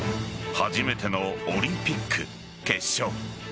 初めてのオリンピック決勝。